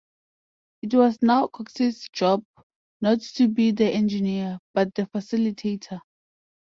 It was now Cox's job not to be the engineer, but the facilitator.